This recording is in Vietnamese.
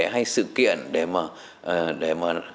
hay sự kiện để mang đến thông tin